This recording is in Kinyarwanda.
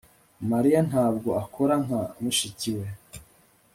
Mariya ntabwo akora nka mushiki we